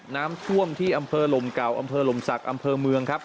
น้ำท่วมที่อำเภอลมเก่าอำเภอหลมศักดิ์อำเภอเมืองครับ